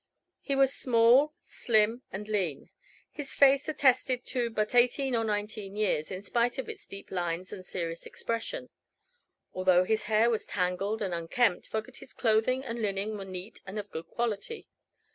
He was small, slim and lean. His face attested to but eighteen or nineteen years, in spite of its deep lines and serious expression. Although his hair was tangled and unkempt Fogerty's clothing and linen were neat and of good quality.